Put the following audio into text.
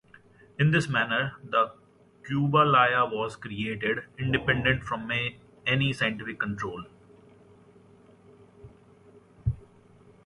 In this manner the Cubalaya was created, independent from any scientific control.